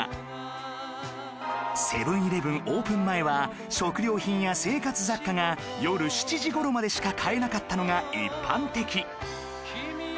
セブンーイレブンオープン前は食料品や生活雑貨が夜７時頃までしか買えなかったのが一般的